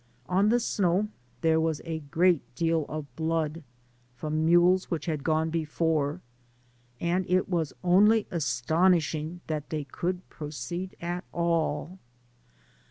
On the snow there was a great deal of blood from mules which had gone before, and it was only astonishing that they could proceed at all.